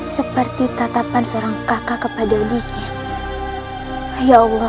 seperti tatapan seorang kakak kepada adiknya ya allah